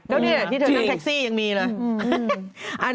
แล้วนี่แหละที่เธอนั่งแท็กซี่ยังมีเลย